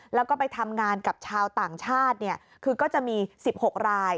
แล้วก็ไปทำงานกับชาวต่างชาติคือก็จะมี๑๖ราย